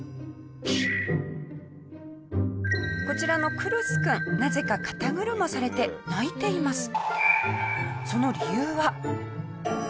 こちらのクルス君なぜか肩車されて泣いています。